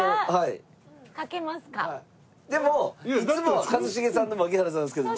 でもいつもは一茂さんと槙原さんですけど。